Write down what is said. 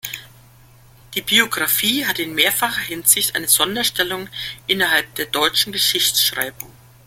Die Biographie hat in mehrfacher Hinsicht eine Sonderstellung innerhalb der deutschen Geschichtsschreibung.